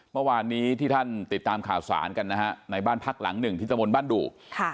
เมื่อวานนี้ที่ท่านติดตามข่าวสารกันนะฮะในบ้านพักหลังหนึ่งที่ตะมนต์บ้านดู